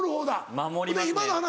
守りますね。